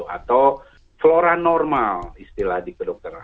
atau flora normal istilah di kedokteran